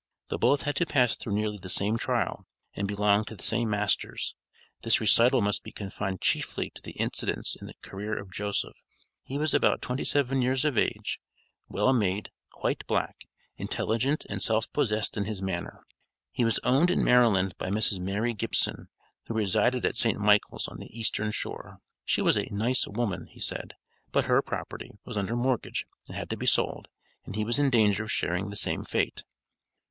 Though both had to pass through nearly the same trial, and belonged to the same masters, this recital must be confined chiefly to the incidents in the career of Joseph. He was about twenty seven years of age, well made, quite black, intelligent and self possessed in his manner. He was owned in Maryland by Mrs. Mary Gibson, who resided at St. Michael's on the Eastern Shore. She was a nice woman he said, but her property was under mortgage and had to be sold, and he was in danger of sharing the same fate.